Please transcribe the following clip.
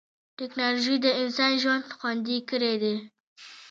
ټکنالوجي د انسان ژوند خوندي کړی دی.